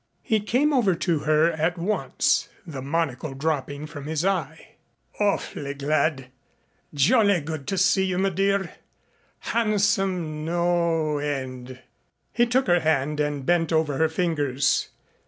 He came over to her at once, the monocle dropping from his eye. "Aw'fly glad. Jolly good to see you, m'dear. Handsome no end." He took her hand and bent over her fingers.